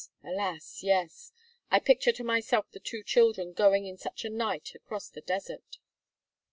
alas yes! I picture to myself the two children going in such a night across the desert."